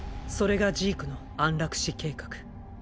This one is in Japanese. それがジークの「安楽死計画」。